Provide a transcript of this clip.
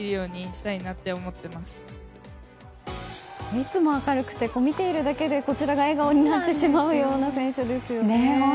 いつも明るくて見ているだけでこちらが笑顔になってしまうような選手ですよね。